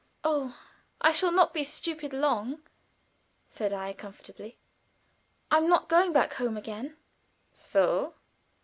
"Oh, I shall not be stupid long," said I, comfortably. "I am not going back home again." "So!"